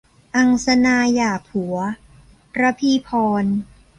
อังสนาหย่าผัว - รพีพร